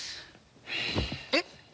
えっ！？